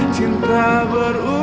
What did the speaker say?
cinta ku tak ada lagi